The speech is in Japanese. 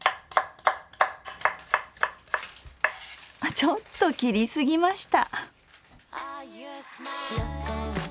ちょっと切り過ぎました。